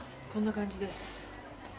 こんな感じです。